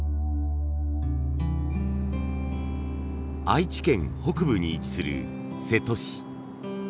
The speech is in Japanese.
愛知県北部に位置する瀬戸市。